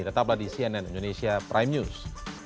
tetaplah di cnn indonesia prime news